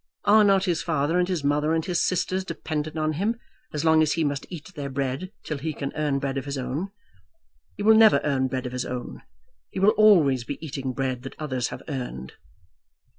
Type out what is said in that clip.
Are not his father and his mother and his sisters dependent on him as long as he must eat their bread till he can earn bread of his own? He will never earn bread of his own. He will always be eating bread that others have earned."